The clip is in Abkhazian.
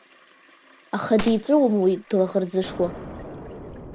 Аха диҵәуом уи длаӷырӡышуа…